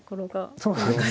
そうなんです。